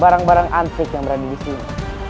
barang barang antik yang berada di sini